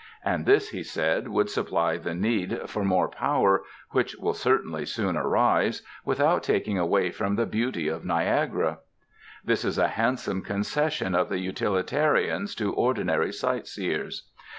And this, he said, would supply the need for more power, which will certainly soon arise, without taking away from the beauty of Niagara. This is a handsome concession of the utilitarians to ordinary sight seers.